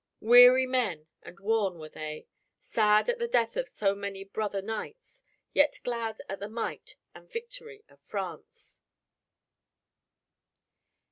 Weary men and worn were they, sad at the death of many brother knights, yet glad at the might and victory of France.